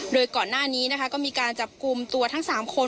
โดยก่อนหน้านี้นะคะก็มีการจับกลุ่มตัวทั้ง๓คน